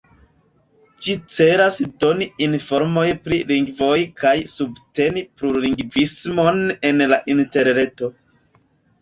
Ĝi celas doni informojn pri lingvoj kaj subteni plurlingvismon en la Interreto.